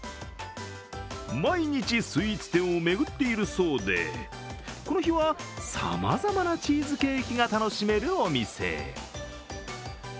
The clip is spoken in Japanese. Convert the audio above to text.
毎日スイーツ店を巡っているそうでこの日はさまざまなチーズケーキが楽しめるお店へ。